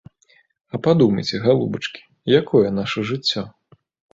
А падумайце, галубачкі, якое наша жыццё?